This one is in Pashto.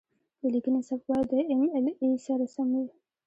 د لیکنې سبک باید د ایم ایل اې سره سم وي.